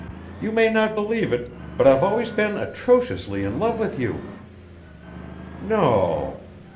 You may not believe it, but I've always been atrociously in love with you." "No?"